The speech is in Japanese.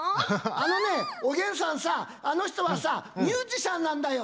あのねおげんさんさ、あの人はさミュージシャンなんだよ。